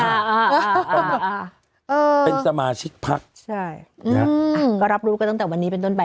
อ่าเออเป็นสมาชิกพักใช่นะอ่ะก็รับรู้กันตั้งแต่วันนี้เป็นต้นไป